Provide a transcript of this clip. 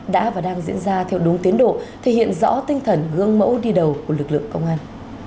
đã và đang diễn ra theo đúng tiến độ thể hiện rõ tinh thần gương mẫu đi đầu của lực lượng công an